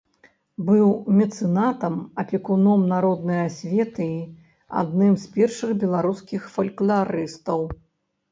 Быў мецэнатам, апекуном народнай асветы, адным з першых беларускіх фалькларыстаў.